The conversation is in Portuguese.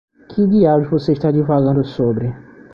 Que diabos você está divagando sobre?